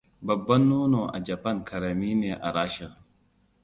Babban nono a Japan ƙarami ne a Rasha.